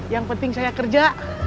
yang penting saya kerja